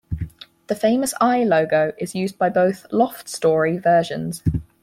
The famous eye logo is used by both "Loft Story" versions.